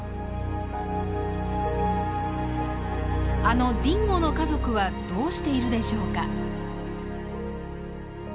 あのディンゴの家族はどうしているでしょうか？